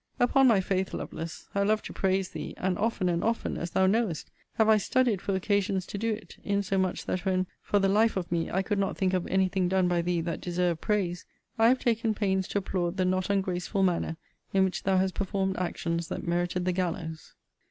Upon my faith, Lovelace, I love to praise thee; and often and often, as thou knowest, have I studied for occasions to do it: insomuch that when, for the life of me, I could not think of any thing done by thee that deserved praise, I have taken pains to applaud the not ungraceful manner in which thou hast performed actions that merited the gallows.